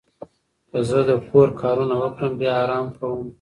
که زه د کور کارونه وکړم، بیا آرام کوم.